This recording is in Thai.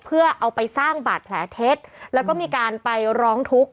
เพื่อเอาไปสร้างบาดแผลเท็จแล้วก็มีการไปร้องทุกข์